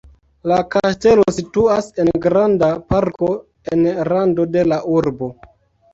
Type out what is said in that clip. La kastelo situas en granda parko en rando de la urbo.